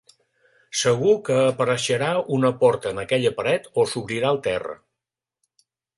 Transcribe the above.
Segur que apareixerà una porta en aquella paret o s'obrirà el terra.